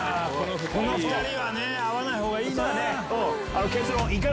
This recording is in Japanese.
この２人はね、会わないほうがいいな。